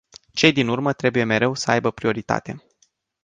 Cei din urmă trebuie mereu să aibă prioritate.